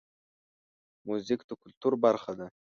موزیک د کلتور برخه ده.